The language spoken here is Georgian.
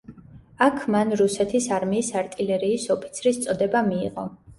აქ მან რუსეთის არმიის არტილერიის ოფიცრის წოდება მიიღო.